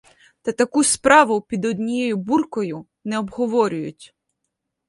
Та таку справу під однією буркою не обговорюють.